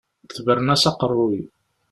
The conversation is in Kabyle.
Tebren-as aqeṛṛuy.